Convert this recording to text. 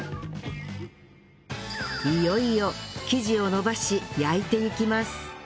いよいよ生地を伸ばし焼いていきます